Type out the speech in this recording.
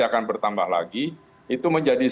akan bertambah lagi itu menjadi